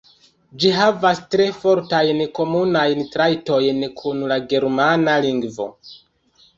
Ĝi havas tre fortajn komunajn trajtojn kun la germana lingvo.